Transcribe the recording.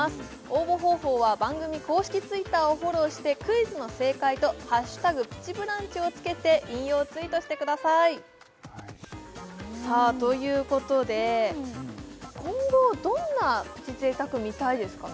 応募方法は番組公式Ｔｗｉｔｔｅｒをフォローしてクイズの正解と「＃プチブランチ」を付けて引用ツイートしてくださいさあということで今後どんなプチ贅沢見たいですか？